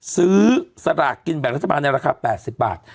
ซื้อสลากกินแบ่งรัฐบาลในราคา๘๐บาท